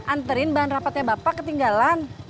anterin bahan rapatnya bapak ketinggalan